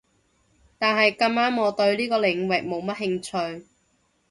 但係咁啱我對呢個領域冇乜興趣